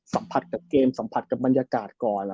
สัมผัสกับเกมสัมผัสกับบรรยากาศก่อน